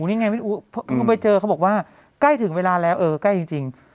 อู๋นี่ไงอู๋เค้าไปเจอเค้าบอกว่าใกล้ถึงเวลาแล้วเออใกล้จริงจริง